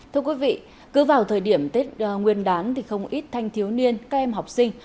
thưa quý vị cứ vào thời điểm tết nguyên đán thì không ít thanh thiếu niên các em học sinh